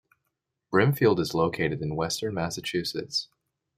Brimfield is located in Western Massachusetts.